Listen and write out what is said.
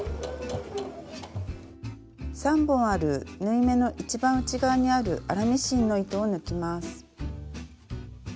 ３本ある縫い目の一番内側にある粗ミシンの糸を抜きます。